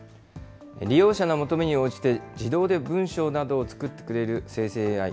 利用者の求めに応じて自動で文章などを作ってくれる生成ＡＩ。